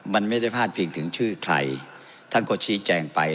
มันไม่ได้พาดพิงถึงชื่อใครท่านก็ชี้แจงไป